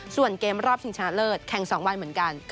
ส่วนเกมรอบชิงชนะเลิศแข่ง๒วันเหมือนกัน